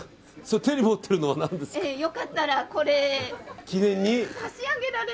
手に持っているのは何ですか。